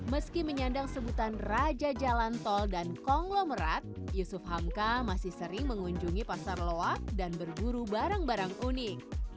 meski menyandang sebutan raja jalan tol dan konglomerat yusuf hamka masih sering mengunjungi pasar loak dan berburu barang barang unik